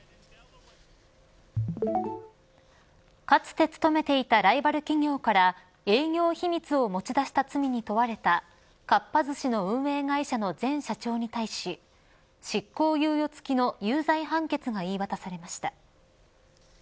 かつて勤めていたライバル企業から営業秘密を持ち出した罪に問われたかっぱ寿司の運営会社の前社長に対し執行猶予付きの有罪判決が言い渡されました。